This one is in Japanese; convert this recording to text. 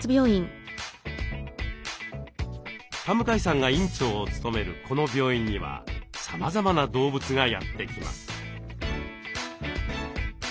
田向さんが院長を務めるこの病院にはさまざまな動物がやって来ます。